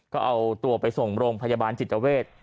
ก็เอาตัวไปส่งโรงพยาบาลจิตเวท